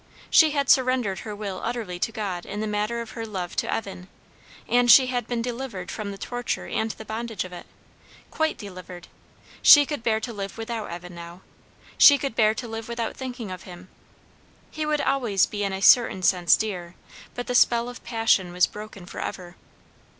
She had surrendered her will utterly to God in the matter of her love to Evan, and she had been delivered from the torture and the bondage of it; quite delivered; she could bear to live without Evan now, she could bear to live without thinking of him; he would always be in a certain sense dear, but the spell of passion was broken for ever.